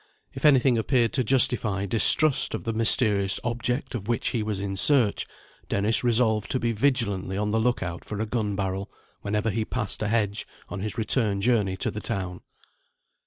If anything appeared to justify distrust of the mysterious Object of which he was in search, Dennis resolved to be vigilantly on the look out for a gun barrel, whenever he passed a hedge on his return journey to the town.